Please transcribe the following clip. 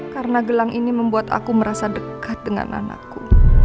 karena gelang ini membuat aku merasa dekat dengan anakku